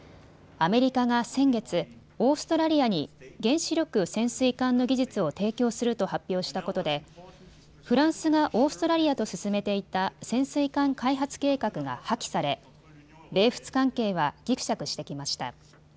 アメリカが先月、オーストラリアに原子力潜水艦の技術を提供すると発表したことでフランスがオーストラリアと進めていた潜水艦開発計画が破棄され米仏関係はぎくしゃくしてきました。